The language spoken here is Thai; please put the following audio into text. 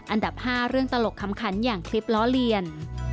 อันดับ๕เรื่องตลกคำขันอย่างคลิปล้อเลียน